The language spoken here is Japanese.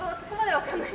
わかんない？